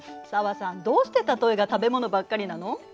紗和さんどうして例えが食べ物ばっかりなの？